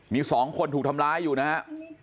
มี๒คนถูกทำร้ายอยู่นะฮะ